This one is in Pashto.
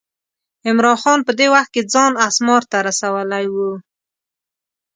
عمرا خان په دې وخت کې ځان اسمار ته رسولی و.